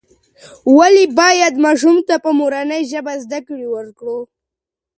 ولې باید ماشوم ته په مورنۍ ژبه زده کړه ورکړو؟